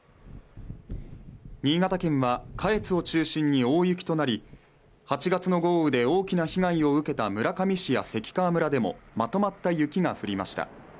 新潟県は下越を中心に大雪となり、８月の豪雨で大きな被害を受けた村上市や関川村でもまとまった雪が降りました。